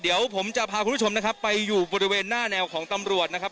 เดี๋ยวผมจะพาคุณผู้ชมนะครับไปอยู่บริเวณหน้าแนวของตำรวจนะครับ